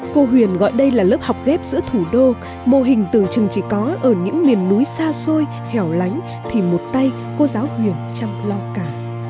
cô huyền gọi đây là lớp học ghép giữa thủ đô mô hình từ chừng chỉ có ở những miền núi xa xôi hẻo lánh thì một tay cô giáo huyền chăm lo cả